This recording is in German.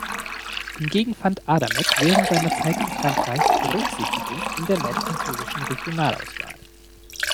Hingegen fand Adamek während seiner Zeit in Frankreich Berücksichtigung in der nordfranzösischen Regionalauswahl.